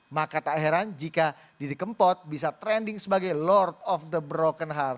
maka tak heran jika didi kempot bisa trending sebagai lord of the broken heart